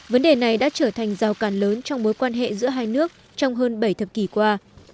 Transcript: vấn đề này đã trở thành rào cản lớn trong mối quan hệ giữa hai nước trong hơn bảy thập kỷ qua